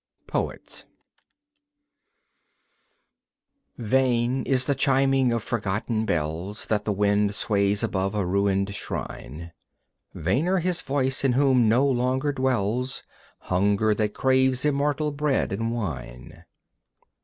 Poets Vain is the chiming of forgotten bells That the wind sways above a ruined shrine. Vainer his voice in whom no longer dwells Hunger that craves immortal Bread and Wine.